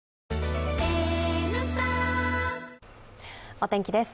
お天気です。